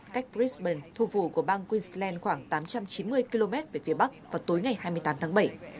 cách brisbane thu vụ của bang queensland khoảng tám trăm chín mươi km về phía bắc vào tối ngày hai mươi tám tháng bảy